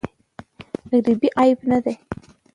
غریبې عیب نه دی.